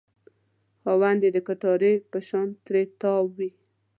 خاوند یې د کټارې په شان ترې تاو وي.